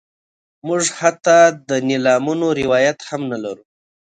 موږ حتی د نیلامونو روایت هم نه لرو.